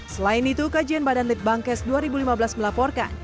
selain itu kajian badan litbangkes dua ribu lima belas melaporkan